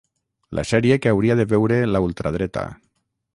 La sèrie que hauria de veure la ultradreta